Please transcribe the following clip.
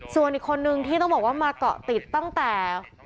ส่วนอีกคนนึงที่ต้องบอกว่ามาเกาะติดตั้งแต่